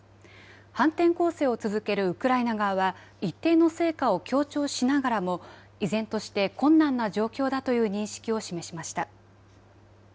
反転攻勢を続けるウクライナ側は一定の成果を強調しながらも依然として困難な状況だという認識を示しました。